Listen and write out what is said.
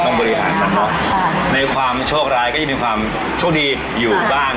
ต้องบริหารกันนะครับใช่ในความโชคร้ายก็ยินเป็นความโชคดีอยู่บ้าง